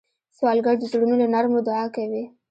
سوالګر د زړونو له نرمو دعا کوي